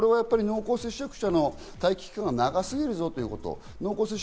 濃厚接触者の待機期間が長すぎるぞと。